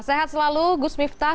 sehat selalu gus miftah